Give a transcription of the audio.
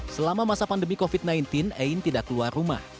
selama masa pandemi covid sembilan belas ain tidak keluar rumah